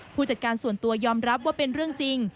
ผู้จัดการส่วนตัวยอมรับว่าเป็นเรื่องจริง